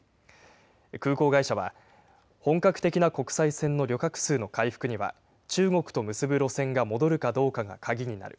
空港会社は、本格的な国際線の旅客数の回復には、中国と結ぶ路線が戻るかどうかが鍵になる。